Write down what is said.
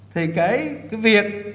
thì cái việc